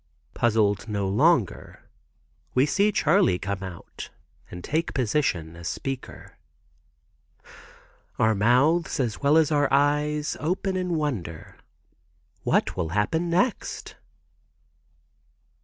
Puzzled no longer, we see Charley come out and take position as speaker. Our mouths as well as eyes open in wonder. What will happen next?